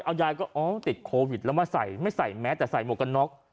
เอายายก็อ๋อติดโควิดแล้วมาใส่ไม่ใส่แม้แต่ใส่หมวกกันน็อก